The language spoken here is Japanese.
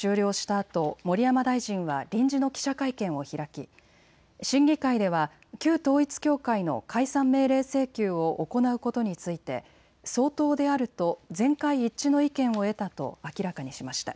あと盛山大臣は臨時の記者会見を開き審議会では旧統一教会の解散命令請求を行うことについて相当であると全会一致の意見を得たと明らかにしました。